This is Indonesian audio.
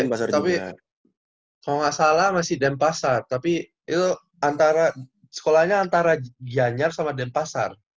eh tapi kalau nggak salah masih dempasar tapi itu sekolahnya antara giyanyar sama dempasar